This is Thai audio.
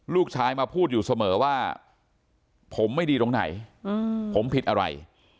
ลูกชายมาพูดอยู่เสมอว่าผมไม่ดีตรงไหนผมผิดอะไร